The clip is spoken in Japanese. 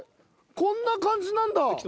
こんな感じなんだ！